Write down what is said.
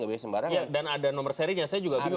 dan ada nomor serinya saya juga gitu